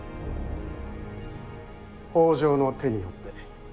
北条の手によって。